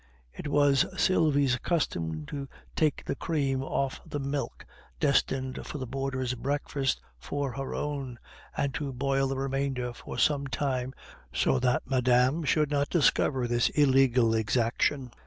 It was Sylvie's custom to take the cream off the milk destined for the boarders' breakfast for her own, and to boil the remainder for some time, so that madame should not discover this illegal exaction.